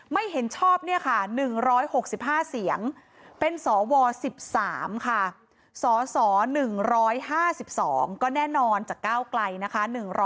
ไม่เห็นชอบเนี่ยค่ะ๑๖๕เสียงเป็นสว๑๓ค่ะสส๑๕๒ก็แน่นอนจากก้าวไกลนะคะ